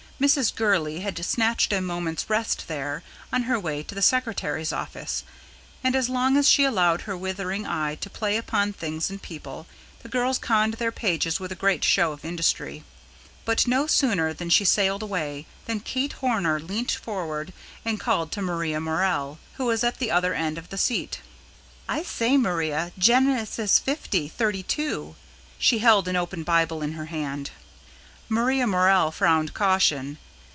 Mrs. Gurley had snatched a moment's rest there, on her way to the secretary's office, and as long as she allowed her withering eye to play upon things and people, the girls conned their pages with a great show of industry. But no sooner had she sailed away than Kate Horner leant forward and called to Maria Morell, who was at the other end of the seat: "I say, Maria, Genesis LI, 32." She held an open Bible in her hand. Maria Morell frowned caution.